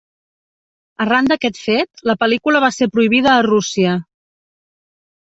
Arran d'aquest fet, la pel·lícula va ser prohibida a Rússia.